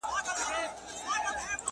زخمي نصیب تر کومه لا له بخته ګیله من سي؛